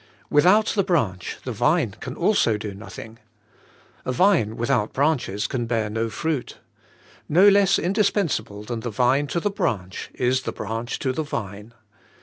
Without the hranch the vine can also do nothing, A vine without branches can bear no fruit. No less indispensable than the vine to the branch, is the branch to the vine.